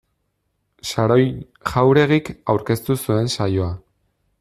Saroi Jauregik aurkeztu zuen saioa.